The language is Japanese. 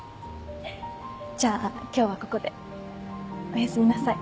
じゃあ今日はここでおやすみなさい。